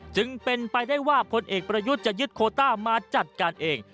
จึงเป็นไปได้ว่าพลเอกประยุทธ์จะยึดโคต้ามาจัดการเอง